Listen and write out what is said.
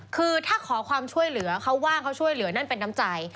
คือถ้าขอความช่วยเหลือเขาว่างเขาช่วยเหลือนั่นเป็นน้ำใจ